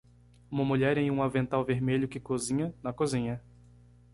Uma mulher em um avental vermelho que cozinha na cozinha.